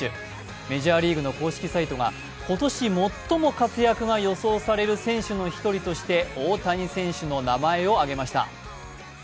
メジャーリーグの公式サイトが今年最も活躍が予想される選手の１人として大谷選手の名前を挙げました。